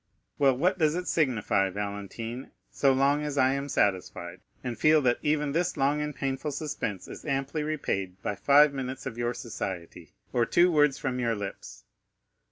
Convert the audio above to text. "Well, what does it signify, Valentine, so long as I am satisfied, and feel that even this long and painful suspense is amply repaid by five minutes of your society, or two words from your lips?